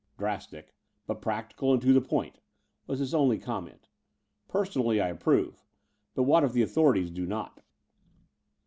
"Drastic, but practical and to the point," was his only comment. "Personally I approve; but what if the authorities do not?"